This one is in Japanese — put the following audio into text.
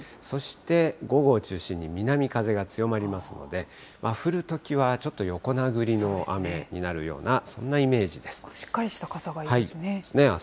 そして午後を中心に南風が強まりますので、降るときは、ちょっと横殴りの雨になるような、そんなしっかりした傘がいりますね。